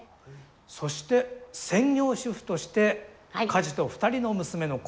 そして「専業主婦として家事と２人の娘の子育てに専念」。